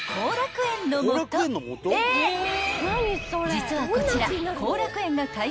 ［実はこちら］